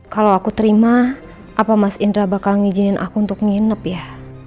kalau aku terima apa mas indra bakal ngizinin aku untuk nginep ya